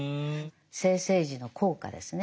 生政治の効果ですね。